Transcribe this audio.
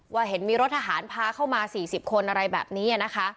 ว่าเห็นมีรถทะหารพาเข้ามา๔๐คนอะไรแบบนี้